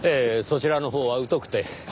そちらのほうは疎くて。